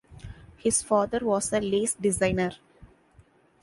His father was a lace designer.